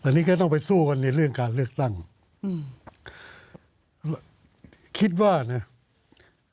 อันนี้ก็ต้องไปสู้กันในเรื่องการเลือกตั้งอืมคิดว่านะ